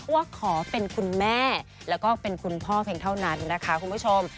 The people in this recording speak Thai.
ว่าขอเป็นคุณแม่แล้วก็เป็นคุณพ่อเพียงเท่านั้นนะคะคุณผู้ชม